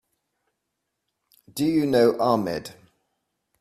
Do you know Ahmed?